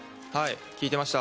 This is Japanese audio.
聞いていました。